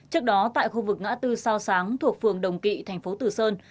trước đó tại khu vực ngã tư sao sáng thuộc phường đồng kỵ thành phố tử sơn